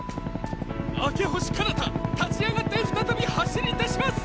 明星かなた立ち上がって再び走り出します！